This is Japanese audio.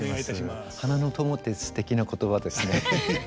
花の友ってすてきな言葉ですね。